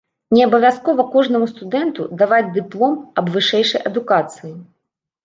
Не абавязкова кожнаму студэнту даваць дыплом аб вышэйшай адукацыі.